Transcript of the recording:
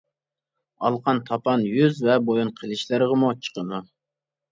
ئالىقان، تاپان يۈز ۋە بويۇن قىلىشلىرىغىمۇ چىقىدۇ.